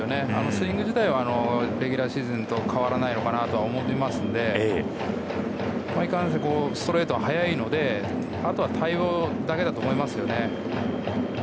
スイング自体はレギュラーシーズンと変わらないのかなと思いますのでいかんせんストレートが速いのであとは対応だけだと思いますね。